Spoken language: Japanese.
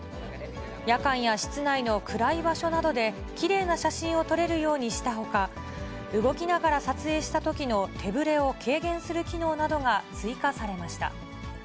夜間や室内の暗い場所などで、きれいな写真を撮れるようにしたほか、動きながら撮影したときの手ぶれを軽減する機能などが追加されました。